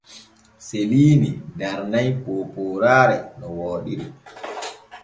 Seliini darnoy poopooraare no wooɗiri.